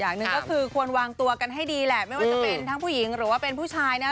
อย่างหนึ่งก็คือควรวางตัวกันให้ดีแหละไม่ว่าจะเป็นทั้งผู้หญิงหรือว่าเป็นผู้ชายนะ